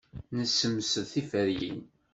Nessemsed tiferyin.